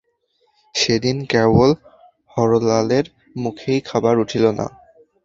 সেদিন কেবল হরলালের মুখেই খাবার উঠিল না।